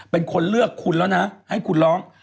เป็นคนเลือกคุณแล้วนะให้คุณร้อง